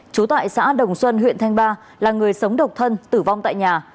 trú tại xã đồng xuân huyện thanh ba là người sống độc thân tử vong tại nhà